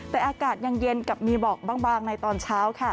แต่อากาศยังเย็นกับมีหมอกบางในตอนเช้าค่ะ